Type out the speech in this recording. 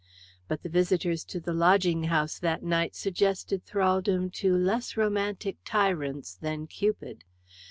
But the visitors to the lodging house that night suggested thraldom to less romantic tyrants than Cupid.